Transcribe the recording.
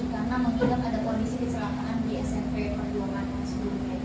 karena mengira ada kondisi keserapaan di snv perjuangan hasil berikutnya itu